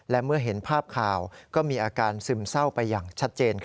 และเมื่อเห็นภาพข่าวก็มีอาการซึมเศร้าไปอย่างชัดเจน